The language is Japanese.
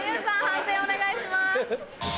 判定お願いします。